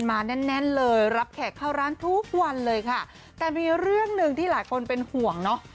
แน่นแน่นเลยรับแขกเข้าร้านทุกวันเลยค่ะแต่มีเรื่องหนึ่งที่หลายคนเป็นห่วงเนอะ